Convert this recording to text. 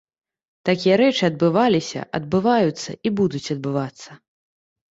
Такія рэчы адбываліся, адбываюцца і будуць адбывацца.